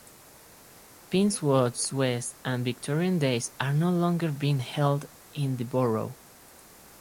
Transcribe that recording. Penns Woods West and Victorian Days are no longer being held in the Borough.